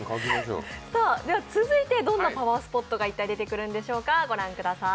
続いてどんなパワースポットが出てくるんでしょうか、御覧ください。